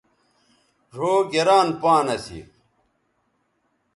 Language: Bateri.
ڙھؤ گران پان اسی